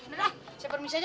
dadah saya permisi aja